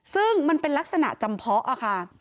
ซึ่งมันเป็นลักษณะจำเพาะค่ะ